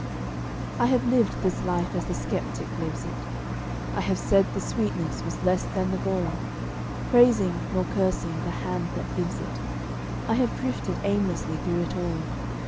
I have lived this life as the skeptic lives it; I have said the sweetness was less than the gall; Praising, nor cursing, the Hand that gives it, I have drifted aimlessly through it all.